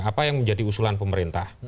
apa yang menjadi usulan pemerintah